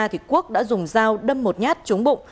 thì quốc đã dùng dao đâm một nhát trúng bụng